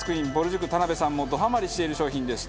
塾田辺さんもどハマりしている商品です。